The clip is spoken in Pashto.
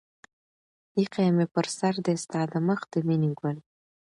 اىښى مې پر سر دى ستا د مخ د مينې گل